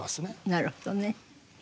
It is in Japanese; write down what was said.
なるほどね。